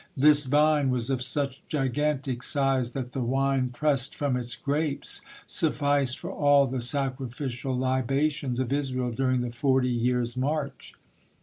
This vine was of such gigantic size that the wine pressed from its grapes sufficed for all the sacrificial libations of Israel during the forty years' march.